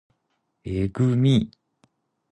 えぐみ